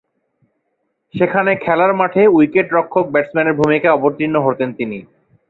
সেখানে খেলার মাঠে উইকেটরক্ষক-ব্যাটসম্যানের ভূমিকায় অবতীর্ণ হতেন তিনি।